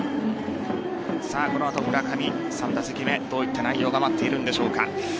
この後、村上３打席目どういった内容が待っているんでしょうか。